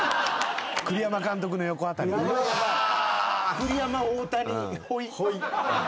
栗山大谷ほい。